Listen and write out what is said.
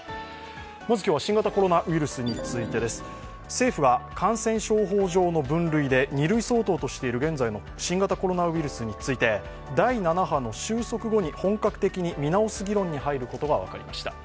まず今日は、新型コロナウイルスについてです。政府が感染症法上の分類で２類相当としている現在の新型コロナウイルスについて第７波の収束後に本格的に見直す議論に入ることが分かりました。